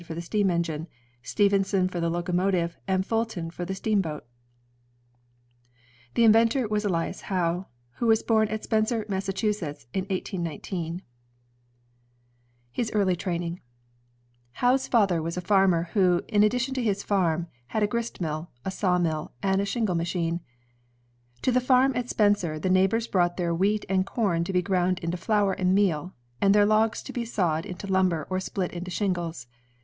for the steam engine, Stephenson for the locomotive, and Fulton for the steam boat. The inventor was Elias Howe, who was born at Spencer, Massachusetts, in 1819. 121 122 inventions of manufacture and production His Early Training Howe's father was a farmer, who, in addition to his farm, had a gristmill, a sawmill, and a shingle machine. To the farm at Spencer, the neighbors brought their wheat and com to be ground into flour and meal, and their logs to be sawed jB^ into lumber or split into shingles.